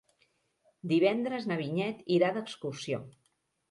Divendres na Vinyet irà d'excursió.